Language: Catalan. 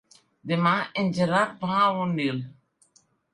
Demà en Gerard va a Onil.